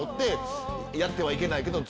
やってはいけないけど。